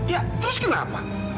ya terus kenapa